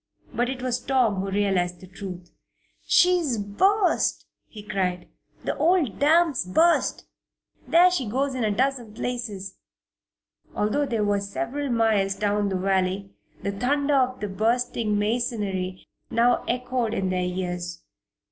But it was Tom who realized the truth. "She's burst!" he cried. "The old dam's burst! There she goes in a dozen places!" Although they were several miles down the valley, the thunder of the bursting masonry now echoed in their ears.